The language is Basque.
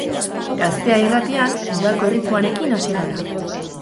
Gaztea irratian udako erritmoarekin hasiak gara.